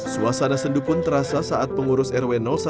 suasana sendu pun terasa saat pengurus rw no empat